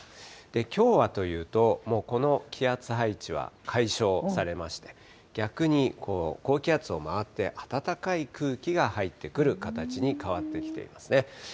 きょうはというと、もうこの気圧配置は解消されまして、逆にこの高気圧を回って暖かい空気が入ってくる形に変わってきていますね。